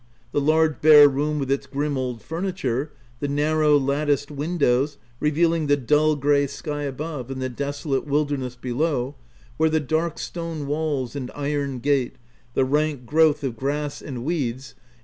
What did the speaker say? The large bare room with its grim old furniture, the narrow, latticed windows, revealing the dull, grey sky above and the desolate wilder ness below, where the dark stone walls and iron gate, the rank growth of grass and weeds, and VOL.